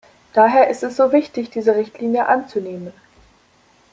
Daher ist es so wichtig, diese Richtlinie anzunehmen.